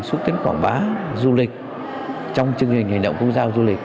xúc tiến quảng bá du lịch trong chương trình hành động quốc gia du lịch